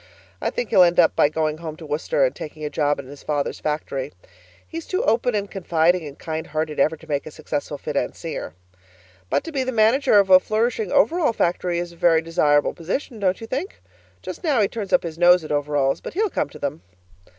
I think he'll end up by going home to Worcester and taking a job in his father's factory. He's too open and confiding and kind hearted ever to make a successful financier. But to be the manager of a flourishing overall factory is a very desirable position, don't you think? Just now he turns up his nose at overalls, but he'll come to them.